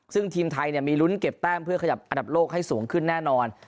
ซึ่งทีมไทยมีลุ้นเก็บแต้มเพื่อขยับอันดับโลกให้สูงขึ้นแน่นอน